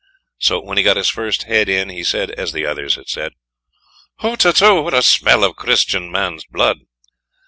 So when he got his first head in, he said as the others had said: "HUTETU, what a smell of Christian man's blood!"